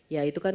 ya itu kan